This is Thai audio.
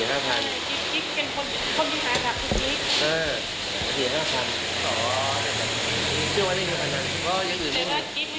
ต้องลาหลายทีแต่เมื่อก่อนเขาก็ไม่เป็นเหมือนดี